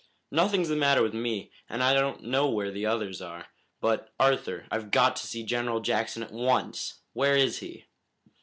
"Nothing's the matter with me, and I don't know where the others are. But, Arthur, I've got to see General Jackson at once! Where is he?"